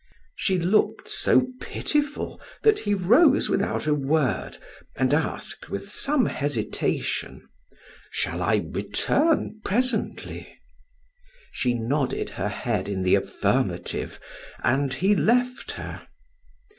She looked so pitiful that he rose without a word and asked with some hesitation: "Shall I return presently?" She nodded her head in the affirmative and he left her.